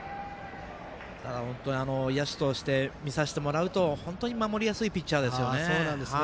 野手として見させてもらうと本当に守りやすいピッチャーですよね。